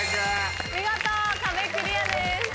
見事壁クリアです。